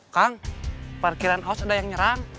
kang parkiran kaos ada yang nyerang